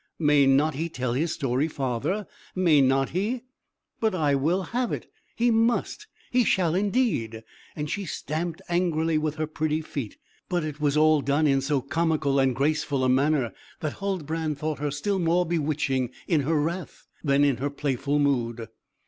may not he tell his story, father may not he? But I will have it; he must. He shall indeed!" And she stamped angrily with her pretty feet, but it was all done in so comical and graceful a manner, that Huldbrand thought her still more bewitching in her wrath, than in her playful mood.